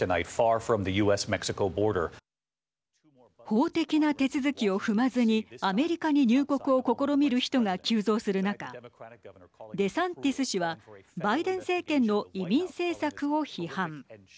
法的な手続きを踏まずにアメリカに入国を試みる人が急増する中デサンティス氏はバイデン政権の移民政策を批判。